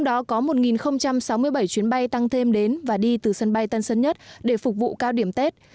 đó có một sáu mươi bảy chuyến bay tăng thêm đến và đi từ sân bay tân sân nhất để phục vụ cao điểm tết